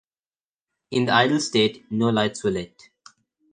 In the idle state, no lights were lit.